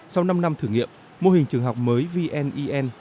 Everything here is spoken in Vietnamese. sau năm năm thử nghiệm mô hình trường học mới vne